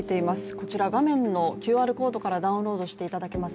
こちら画面のＱＲコードからダウンロードいただけます